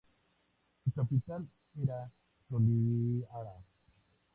Su capital era Toliara.